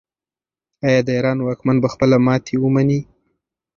آیا د ایران واکمن به خپله ماتې ومني؟